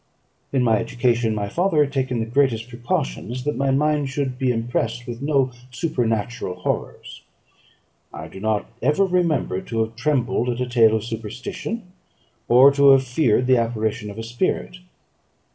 In my education my father had taken the greatest precautions that my mind should be impressed with no supernatural horrors. I do not ever remember to have trembled at a tale of superstition, or to have feared the apparition of a spirit.